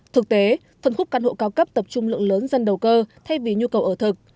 thực tế phân khúc căn hộ cao cấp tập trung lượng lớn dân đầu cơ thay vì nhu cầu ở thực